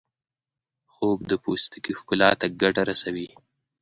خوب د پوستکي ښکلا ته ګټه رسوي